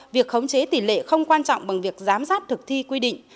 việc khống chế tỷ lệ không quan trọng bằng việc giám sát thực thi quy định